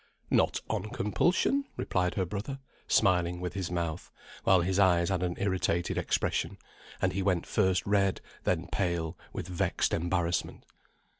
"Not on compulsion," replied her brother, smiling with his mouth, while his eyes had an irritated expression, and he went first red, then pale, with vexed embarrassment.